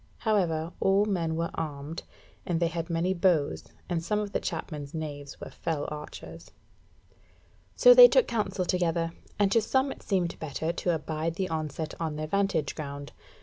However, all men were armed, and they had many bows, and some of the chapmen's knaves were fell archers. So they took counsel together, and to some it seemed better to abide the onset on their vantage ground.